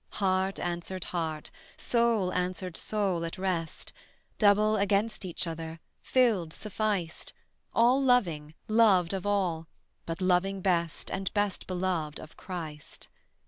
Heart answered heart, soul answered soul at rest, Double against each other, filled, sufficed: All loving, loved of all; but loving best And best beloved of Christ.